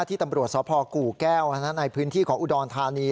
ที่ตำรวจสวพเหาะกรุแก้วกันนะในพื้นที่ของหูดรทานี